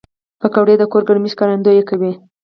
پکورې د کور ګرمۍ ښکارندويي کوي